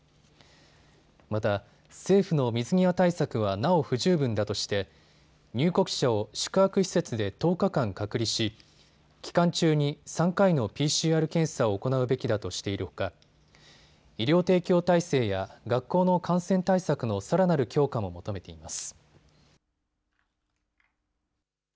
また、政府の水際対策はなお不十分だとして入国者を宿泊施設で１０日間隔離し、期間中に３回のＰＣＲ検査を行うべきだとしているほか医療提供体制や学校の感染対策のさらなる強化も求めています。